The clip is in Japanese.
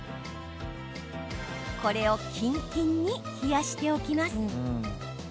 これをキンキンに冷やしておきます。